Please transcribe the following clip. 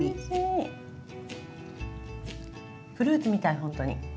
フルーツみたいほんとに。